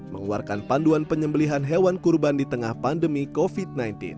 mengeluarkan panduan penyembelihan hewan kurban di tengah pandemi covid sembilan belas